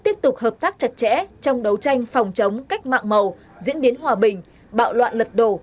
tiếp tục hợp tác chặt chẽ trong đấu tranh phòng chống cách mạng màu diễn biến hòa bình bạo loạn lật đổ